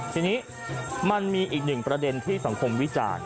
ทีนี้มันมีอีกหนึ่งประเด็นที่สังคมวิจารณ์